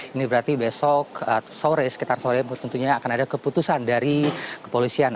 ini berarti besok sore sekitar sore tentunya akan ada keputusan dari kepolisian